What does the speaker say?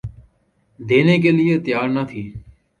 دینے کے لئے تیّار نہ تھی۔